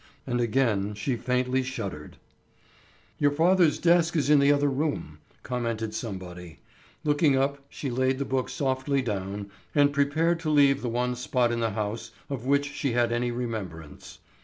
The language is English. And again she faintly shuddered. "Your father's desk is in the other room," commented somebody. Looking up she laid the book softly down and prepared to leave the one spot in the house of which she had any remembrance.